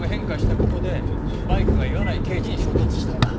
ここでバイクが岩内刑事に衝突したんだ。